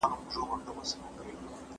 ایا اعلانونه د توکو په پلور کي مرسته کوي؟